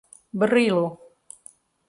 Berilo